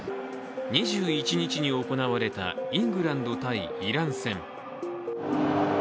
２１日に行われたイングランド×イラン戦。